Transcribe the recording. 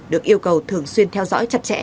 được yêu cầu thường xuyên theo dõi chặt chẽ